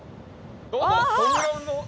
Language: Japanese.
どうも！